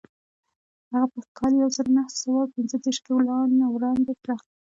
هغه په کال یو زر نهه سوه پنځه دېرش کې وړاندې کړه.